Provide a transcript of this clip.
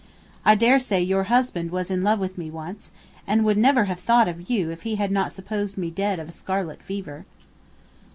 I dare say your husband was in love with me once, and would never have thought of you if he had not supposed me dead of a scarlet fever.'